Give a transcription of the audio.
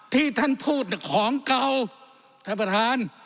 ที่ท่านพูดของเก่าท่านประธาน